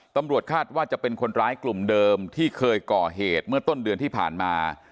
ตำรวจคาดว่าจะเป็นคนร้ายกลุ่มเดิมที่เคยก่อเหตุเมื่อต้นเดือนที่ผ่านมา